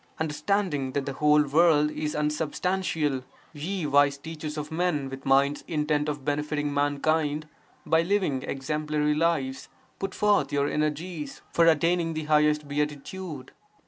Understanding that the whole world is unsubstantial, ye wise teachers of men with minds intent on benefiting mankind (by living exemplary lives), put forth your energies (for attaining the highest beatitude).